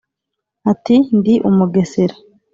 ati ndi umugesera